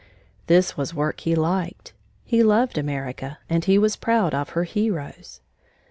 This was work he liked. He loved America, and he was proud of her heroes.